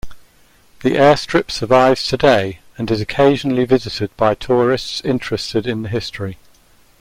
The airstrip survives today, and is occasionally visited by tourists interested in the history.